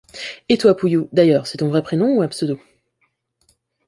Et toi, Pouhiou —d’ailleurs c’est ton vrai prénom ou un pseudo ?